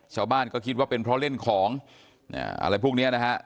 ชาวบ้านก็คิดว่าเป็นเพราะเล่นของอะไรพวกนี้นะฮะ